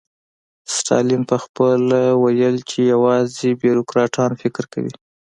ستالین پخپله ویل چې یوازې بیروکراټان فکر کوي